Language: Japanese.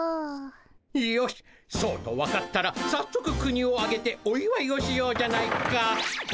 よしそうと分かったらさっそく国をあげておいわいをしようじゃないか。